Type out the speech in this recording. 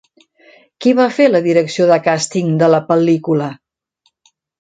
Qui va fer la direcció de càsting de la pel·lícula?